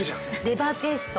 レバーペースト。